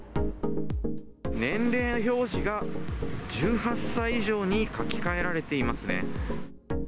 年齢表示が１８歳以上に書き換えられていますね。